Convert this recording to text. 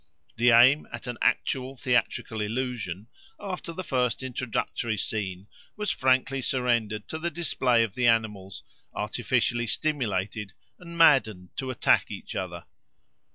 The aim at an actual theatrical illusion, after the first introductory scene, was frankly surrendered to the display of the animals, artificially stimulated and maddened to attack each other.